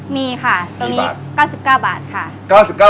มีค่ะตรงนี้๙๙บาทค่ะ